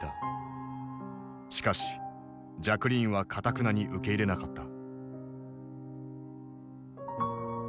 しかしジャクリーンはかたくなに受け入れなかった。